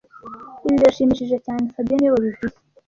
Ibi biranshimishije cyane fabien niwe wabivuze